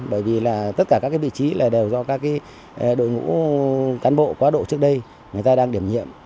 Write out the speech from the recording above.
bởi vì là tất cả các vị trí là đều do các đội ngũ cán bộ quá độ trước đây người ta đang điểm nhiệm